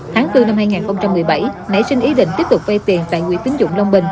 tháng bốn năm hai nghìn một mươi bảy nảy sinh ý định tiếp tục vay tiền tại nguyễn tính dụng long bình